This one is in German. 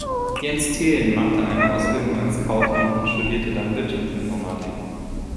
Jens Thelen machte eine Ausbildung als Kaufmann und studierte dann Wirtschaftsinformatik.